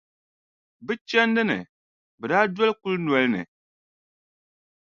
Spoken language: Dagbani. Bɛ chandi ni, bɛ daa doli kulinoli ni.